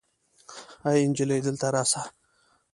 آې انجلۍ دلته راسه